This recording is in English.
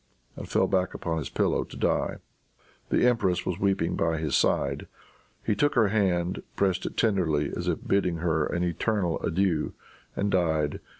and fell back upon his pillow to die. The empress was weeping by his side. He took her hand, pressed it tenderly as if bidding her an eternal adieu, and died.